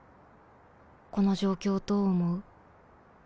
この状況どう思う？